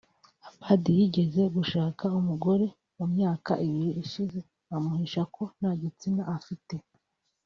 Abad yigeze gushaka umugore mu myaka ibiri ishize amuhisha ko nta gitsina afite